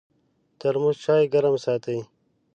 ترموز چای ګرم ساتي.